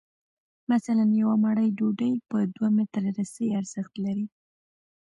مثلاً یوه مړۍ ډوډۍ په دوه متره رسۍ ارزښت لري